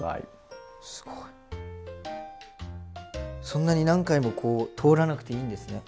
そんなに何回もこう通らなくていいんですね。